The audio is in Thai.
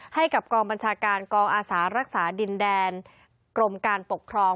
ให้กับกองบัญชาการกองอาสารักษาดินแดนกรมการปกครอง